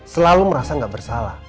selalu merasa gak bersalah